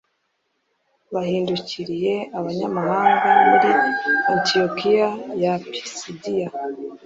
Bahindukiriye abanyamahanga muri Antiyokiya ya Pisidiya,